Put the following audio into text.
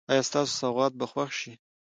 ایا ستاسو سوغات به خوښ شي؟